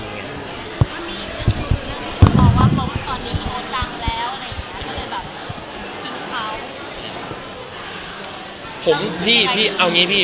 พี่เอาอย่างงี้พี่